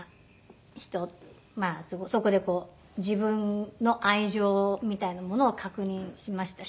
そこで自分の愛情みたいなものを確認しましたし。